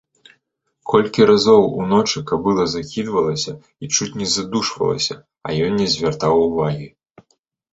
Колькі разоў уночы кабыла закідвалася і чуць не задушвалася, а ён не звяртаў увагі.